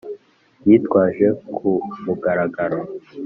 yitwaje ku mugaragaro